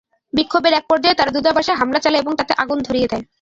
বিক্ষোভের একপর্যায়ে তারা দূতাবাসে হামলা চালায় এবং তাতে আগুন ধরিয়ে দেয়।